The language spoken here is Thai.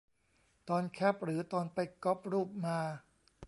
ตอนแคปหรือตอนไปก๊อปรูปมา